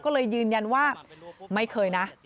ก็เลยยืนยันว่าไม่เคยนะ